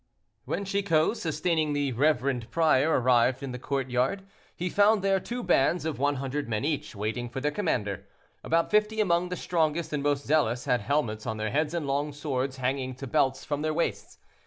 When Chicot, sustaining the reverend prior, arrived in the courtyard, he found there two bands of one hundred men each, waiting for their commander. About fifty among the strongest and most zealous had helmets on their heads and long swords hanging to belts from their waists.